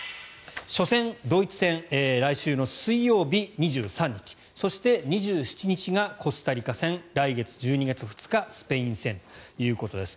初戦、ドイツ戦来週水曜日、２３日そして２７日がコスタリカ戦来月１２月２日スペイン戦ということです。